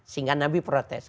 sehingga nabi protes